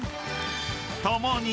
［共に］